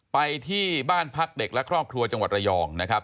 ไปที่บ้านพักเด็กและครอบครัวจังหวัดระยองนะครับ